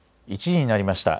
１時になりました。